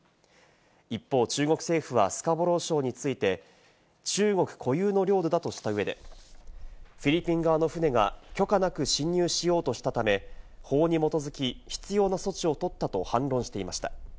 一方、中国政府はスカボロー礁について、中国固有の領土だとした上でフィリピン側の船が許可なく侵入しようとしたため、法に基づき必要な措置を取ったと反論していました。